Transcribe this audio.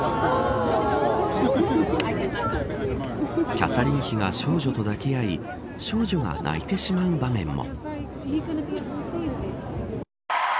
キャサリン妃が少女と抱き合い少女が泣いてしまう場面も。